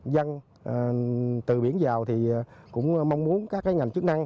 dân từ biển vào thì cũng mong muốn các ngành chức năng